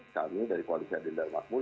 kami dari koalisi adil dan mahmud